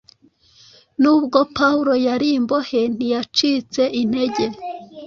Nubwo Pawulo yari imbohe, ntiyacitse intege.